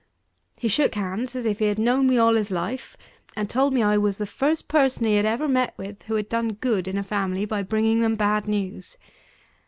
He shook hands as if he had known me all his life; and told me I was the first person he had ever met with who had done good in a family by bringing them bad news.